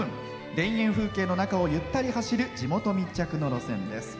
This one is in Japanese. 田園風景の中をゆったり走る地元密着の路線です。